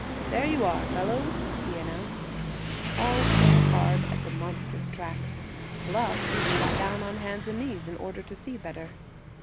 "There you are, fellows!" he announced. All stared hard at the monstrous tracks. Bluff even got down on hands and knees in order to see better.